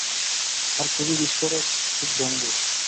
আর খুবই বিস্ফোরক, খুব ভঙ্গুর।